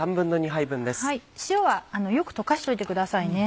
塩はよく溶かしておいてください。